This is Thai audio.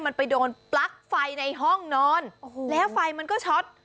มันไปโดนปลั๊กไฟในห้องนอนโอ้โหแล้วไฟมันก็ช็อต